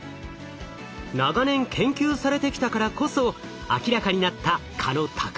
長年研究されてきたからこそ明らかになった